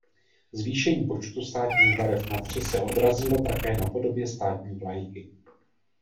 Zvýšení počtu státních barev na tři se odrazilo také na podobě státní vlajky.